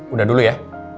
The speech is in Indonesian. udah dulu ya